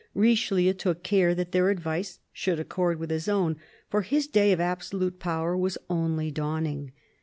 Richelieu took care that their advice should accord with his own, for his day of absolute power was only dawning.